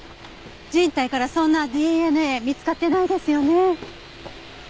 人体からそんなＤＮＡ見つかってないですよね。